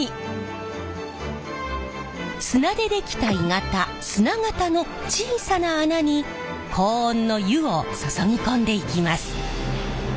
砂でできた鋳型砂型の小さな穴に高温の「湯」を注ぎ込んでいきます。